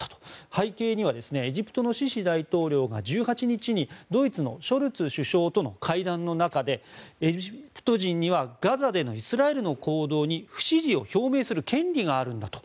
背景にはエジプトのシシ大統領が１８日にドイツのショルツ首相との会談の中でエジプト人にはガザでのイスラエルの行動に不支持を表明する権利があると。